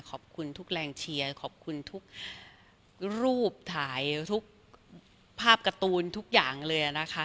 ขอบคุณทุกแรงเชียร์ขอบคุณทุกรูปถ่ายทุกภาพการ์ตูนทุกอย่างเลยนะคะ